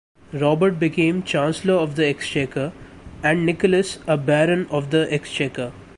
Robert became Chancellor of the Exchequer, and Nicholas a baron of the Exchequer.